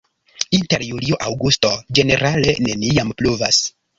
Inter julio-aŭgusto ĝenerale neniam pluvas.